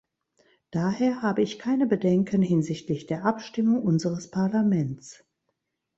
Daher habe ich keine Bedenken hinsichtlich der Abstimmung unseres Parlaments.